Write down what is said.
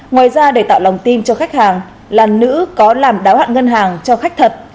ngoài ra để tạo lòng tin cho khách hàng là nữ có làm đáo hạn ngân hàng cho khách thật